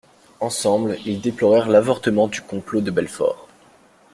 Ensemble ils déplorèrent l'avortement du complot de Belfort.